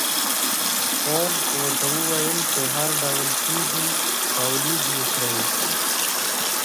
فورډ ورته وويل چې هر ډول کېږي توليد يې کړئ.